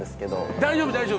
大丈夫大丈夫。